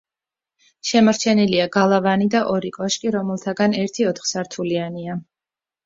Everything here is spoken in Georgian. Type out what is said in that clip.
შემორჩენილია გალავანი და ორი კოშკი, რომელთაგან ერთი ოთხსართულიანია.